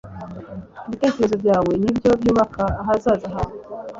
ibitekerezo byawe nibyo byubaka ahazaza hawe